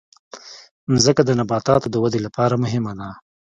مځکه د نباتاتو د ودې لپاره مهمه ده.